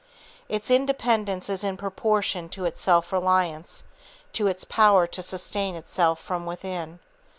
Its independence is in proportion to its self reliance, to its power to sustain itself from within.